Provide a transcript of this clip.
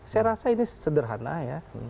saya rasa ini sederhana ya